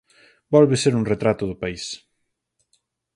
Volve ser un retrato do país.